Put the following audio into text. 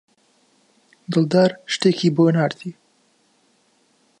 دڵدار شتێکی بۆ ناردی.